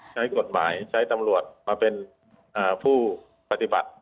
ใช้กฎหมายใช้ตำรวจมาเป็นผู้ปฏิบัติ